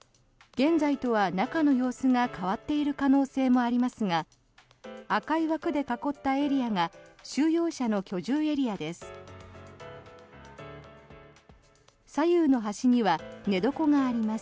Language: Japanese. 現在とは中の様子が変わっている可能性もありますが赤い枠で囲ったエリアが収容者の居住エリアです。